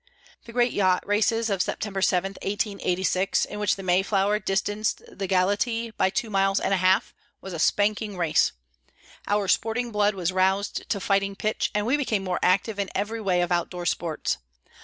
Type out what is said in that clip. The great yacht races of September 7, 1886, in which the "May Flower" distanced the "Galatea" by two miles and a half, was a spanking race. Our sporting blood was roused to fighting pitch, and we became more active in every way of outdoor sports.